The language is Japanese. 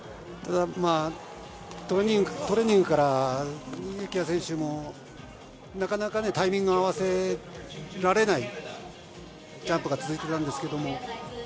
ただ、トレーニングから幸椰選手もなかなかタイミングが合わせられないジャンプが続いていたんですけど。